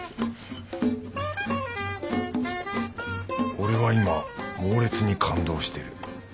俺は今猛烈に感動してる。